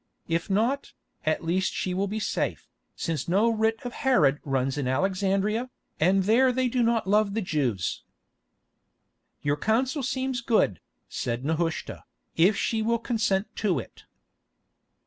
If not, at least she will be safe, since no writ of Herod runs in Alexandria, and there they do not love the Jews." "Your counsel seems good," said Nehushta, "if she will consent to it."